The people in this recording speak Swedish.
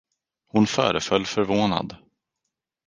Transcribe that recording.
Hon föreföll förvånad.